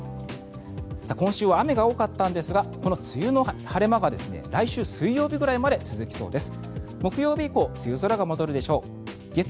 今週は雨が多かったんですが梅雨の晴れ間が来週水曜日ぐらいまで続きそうです。